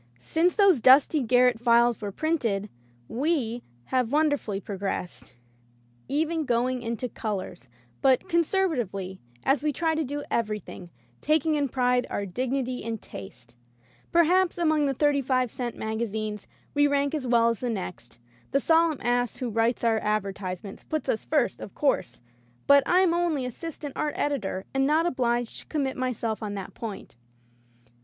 Since those dusty garret files were printed "We have wonderfully progressed, even [ 231 ] Digitized by LjOOQ IC Interventions going into colors, but conservatively, as we try to do everything, taking pride in our dig nity and taste. Probably among the thirty five cent magazines we rank as well as the next. The Solemn Ass who writes our ad vertisements puts us first, of course, but I am only assistant art editor, and not obliged to commit myself on that point.